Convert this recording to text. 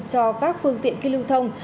cho các phương tiện khi lưu thông